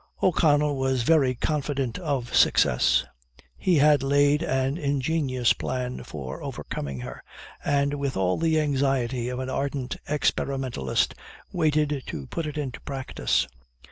O'Connell was very confident of success. He had laid an ingenious plan for overcoming her, and, with all the anxiety of an ardent experimentalist, waited to put it into practice.